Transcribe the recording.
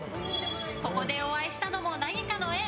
ここでお会いしたのも何かの縁。